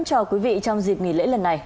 cho quý vị trong dịp nghỉ lễ lần này